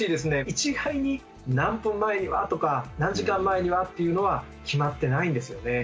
一概に何分前にはとか何時間前にはっていうのは決まってないんですよね。